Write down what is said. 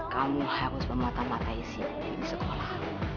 kamu harus memotong mata isi di sekolah